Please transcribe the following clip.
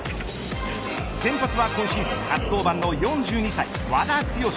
先発は今シーズン初登板の４２歳和田毅。